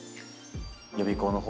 予備校の方